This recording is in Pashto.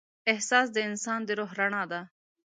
احساس د انسان د روح رڼا ده.